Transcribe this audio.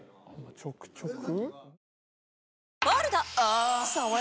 ちょくちょく？